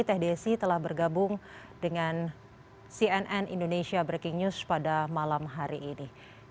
teh desi telah bergabung dengan cnn indonesia breaking news pada malam hari ini